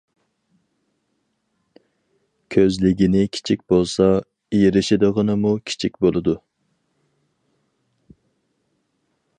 كۆزلىگىنى كىچىك بولسا، ئېرىشىدىغىنىمۇ كىچىك بولىدۇ.